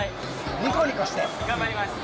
ニコニコして頑張ります！